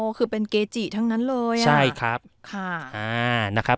คือเป็นเกจิทั้งนั้นเลยอ่ะใช่ครับค่ะอ่านะครับ